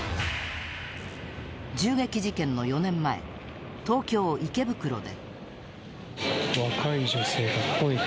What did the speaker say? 銃撃事件の４年前東京・池袋で。